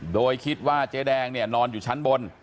โดยคิดว่าเจ๊แดงเนี่ยนอนอยู่ชั้นบน